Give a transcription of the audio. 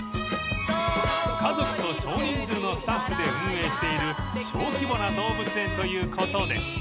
［家族と少人数のスタッフで運営している小規模な動物園ということで予約制になっています］